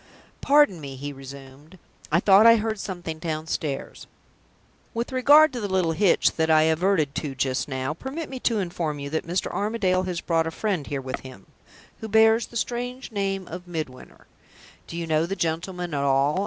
"Pardon me," he resumed, "I thought I heard something downstairs. With regard to the little hitch that I adverted to just now, permit me to inform you that Mr. Armadale has brought a friend here with him, who bears the strange name of Midwinter. Do you know the gentleman at all?"